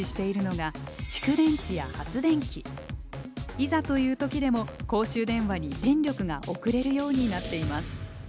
いざという時でも公衆電話に電力が送れるようになっています。